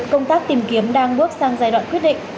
công tác tìm kiếm đang bước sang giai đoạn quyết định